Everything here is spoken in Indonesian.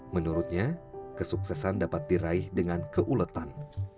menurutnya kesuksesan dapat diraih dengan keuletan